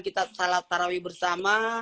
kita salat tarawih bersama